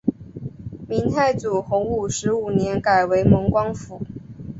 明太祖洪武十五年改为蒙光府。